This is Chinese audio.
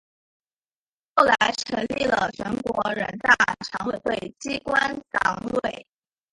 后来成立了全国人大常委会机关党委。